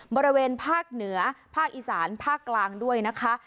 บริเวณภาคเหนือภาคอีสานภาคกลางด้วยนะคะ